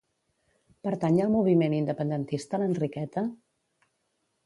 Pertany al moviment independentista l'Enriqueta?